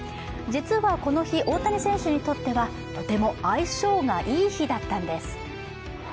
実はこの日、大谷選手にとってはとても相性がいい日だったんです。